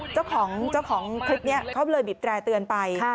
เจ้าของคลิปนี้เขาเลยบีบแตร์เตือนไป